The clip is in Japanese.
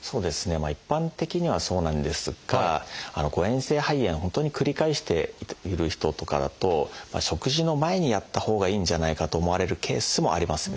まあ一般的にはそうなんですが誤えん性肺炎を本当に繰り返している人とかだと食事の前にやったほうがいいんじゃないかと思われるケースもありますね。